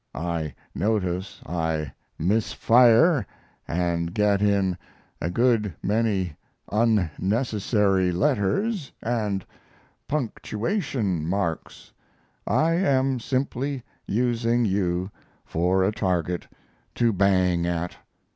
I notice I miss fire & get in a good many unnecessary letters & punctuation marks. I am simply using you for a target to bang at.